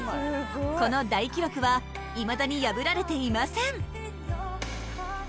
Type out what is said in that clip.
この大記録はいまだに破られていません！